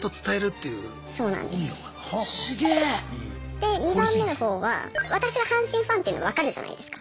で２番目の方は私が阪神ファンっていうのわかるじゃないですか。